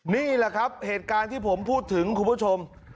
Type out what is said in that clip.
นี่แหละครับเหตุการณ์ที่ผมพูดถึงคุณผู้ชม